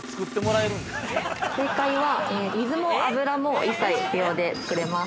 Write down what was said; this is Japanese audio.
◆正解は、水も油も一切不要で作れます。